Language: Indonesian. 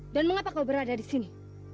dan mengapa kau berada di sini